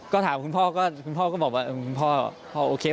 ก็ถามคุณพ่อก็บอกว่าคุณพ่อโอเค